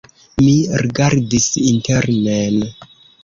Mi rigardis internen.